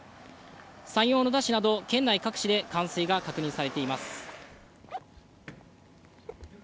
山陽小野田市など、県内各地で冠水が確認されています。